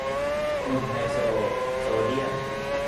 หนุ่มไฮโซ โซเดียม